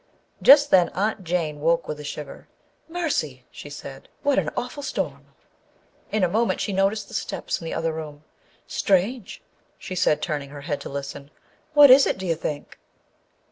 Just then Aunt Jane woke with a shiver. "Mercy," she said, "what an awful storm!" The Ghost in the Red Shirt 127 In a moment she noticed the steps in the other room. " Strange/' she said, turning her head to listen. " What is it, do you think